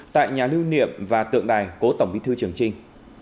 tại nhà lưu niệm và tượng đài cố tổng bí thư trường trinh